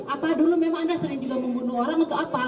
apa dulu memang anda sering juga membunuh orang atau apa